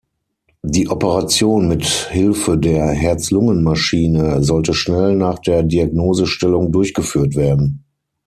Die Operation mit Hilfe der Herz-Lungen-Maschine sollte schnell nach der Diagnosestellung durchgeführt werden.